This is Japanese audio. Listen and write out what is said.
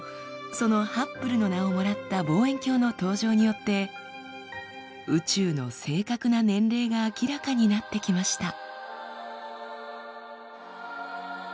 そのハッブルの名をもらった望遠鏡の登場によって宇宙の正確な年齢が明らかになってきました。